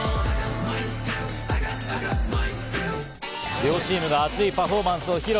両チームが熱いパフォーマンスを披露。